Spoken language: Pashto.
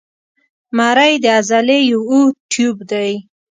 مرۍ د عضلې یو اوږد تیوب دی.